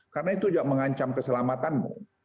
karena itu juga mengancam keselamatanmu